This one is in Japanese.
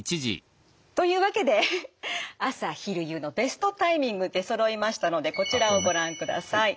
というわけで朝昼夕のベストタイミング出そろいましたのでこちらをご覧ください。